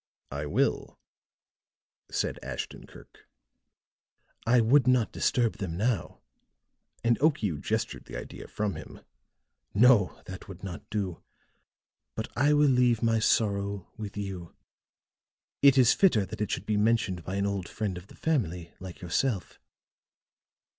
"I will," said Ashton Kirk. "I would not disturb them now," and Okiu gestured the idea from him. "No, that would not do. But I will leave my sorrow with you. It is fitter that it should be mentioned by an old friend of the family like yourself."